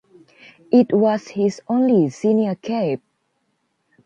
It was his only senior cap.